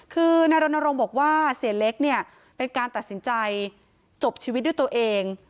คือนายรณรงค์บอกว่าเสียเล็กเนี่ยเป็นการตัดสินใจจบชีวิตด้วยตัวเอง